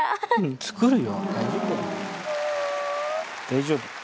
大丈夫。